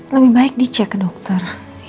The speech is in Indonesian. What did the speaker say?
lebih baik dicek ke dokter